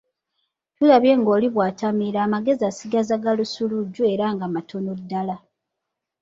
Tulabye ng'oli bwatamiira amagezi asigaza ga lusuluuju era nga matono ddala.